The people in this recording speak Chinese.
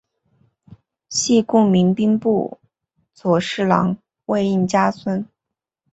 系故明兵部左侍郎魏应嘉孙。